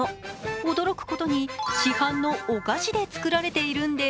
驚くことに市販のお菓子で作られているんです。